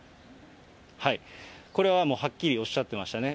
これはもうはっきりおっしゃってましたね。